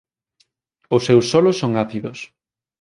Os seus solos son ácidos.